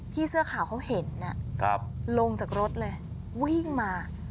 พี่เสื้อขาวเขาเห็นอ่ะครับลงจากรถเลยวิ่งมา